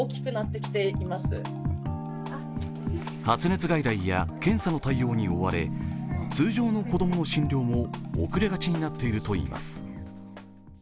発熱外来や検査の対応に追われ通常の子供の診療も遅れがちになっているといいます。